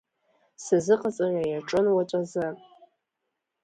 Сазыҟаҵара иаҿын уаҵәазы.